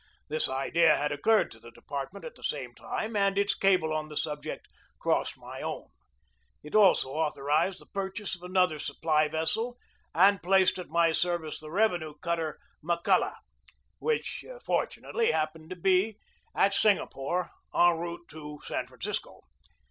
This idea had occurred to the department at the same time, and its cable on the subject crossed my own. It also authorized the purchase of another supply vessel and placed at my service the revenue cutter McCul loch y which, fortunately, happened to be at Singa pore, en route to San Francisco.